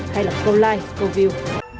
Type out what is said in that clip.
hay là câu like câu view